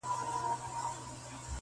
ستا په خاموشۍ کي هم کتاب کتاب خبري دي,